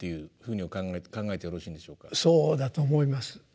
そうだと思います。